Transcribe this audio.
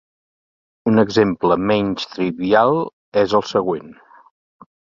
Un exemple menys trivial és el següent.